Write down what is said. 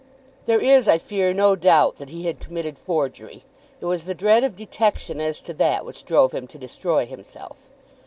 "There is, I fear, no doubt that he had committed forgery. It was the dread of detection as to that which drove him to destroy himself."